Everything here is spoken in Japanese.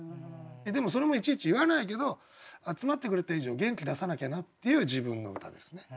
でもそれもいちいち言わないけど集まってくれた以上元気出さなきゃなっていう自分の歌ですね。